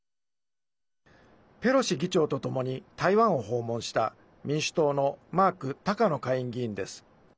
ペロシ議長とともに台湾を訪問した民主党のマーク・タカノ下院議員です。